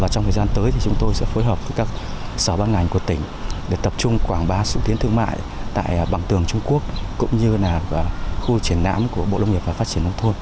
trong thời gian tới thì chúng tôi sẽ phối hợp với các sở ban ngành của tỉnh để tập trung quảng bá xúc tiến thương mại tại bằng tường trung quốc cũng như là khu triển lãm của bộ nông nghiệp và phát triển nông thôn